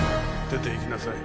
出ていきなさい！